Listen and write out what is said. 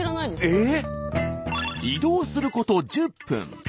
移動すること１０分。